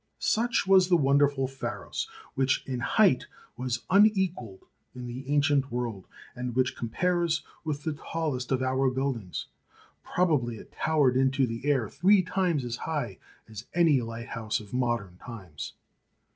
Such was the wonderful Pharos, which in height was unequalled in the ancient world, and which compares with the tallest of our buildings. Prob ably it towered into the air three times as high as any lighthouse of modern times.